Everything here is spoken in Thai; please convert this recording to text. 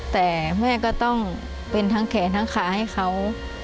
แต่แม่ก็ต้องเป็นทั้งแขนทั้งขาให้เขา